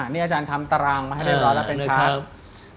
นี่อาจารย์ทำตารางมาให้เรียบร้อยแล้วเป็นชาร์จครับ